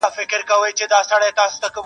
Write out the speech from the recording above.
د ښوونځي له هلکانو همزولانو څخه -